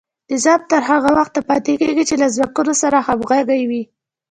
نظام تر هغه وخته پاتې کیږي چې له ځواکونو سره همغږی وي.